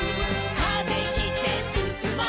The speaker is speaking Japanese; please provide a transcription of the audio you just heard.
「風切ってすすもう」